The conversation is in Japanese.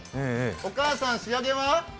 お母さん、仕上げは？